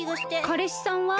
かれしさんは？